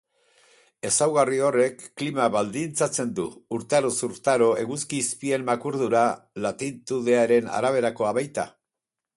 Ezaugarri horrek klima baldintzatzen du, urtaroz urtaro eguzki-izpien makurdura latitudearen araberakoa baita.